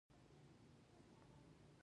نهرو سره يې ښې اړيکې پېدا کړې